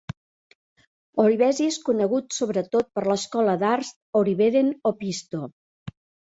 Orivesi és conegut sobretot per l'escola d'arts Oriveden Opisto.